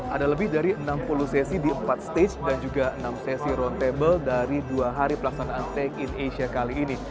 ada lebih dari enam puluh sesi di empat stage dan juga enam sesi roundtable dari dua hari pelaksanaan take in asia kali ini